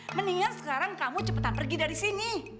mendingan sekarang kamu cepetan pergi dari sini